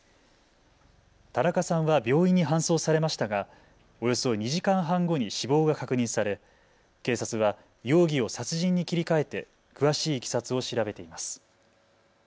田中さんは病院に搬送されましたがおよそ２時間半後に死亡が確認され、警察は容疑を殺人に切り替えて詳しいいきさつを調べています。